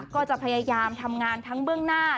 ก็จะพยายามทำงานทั้งเบื้องหน้า